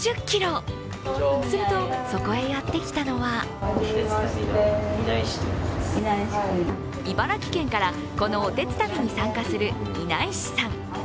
すると、そこへやってきたのは茨城県から、このおてつたびに参加する稲石さん。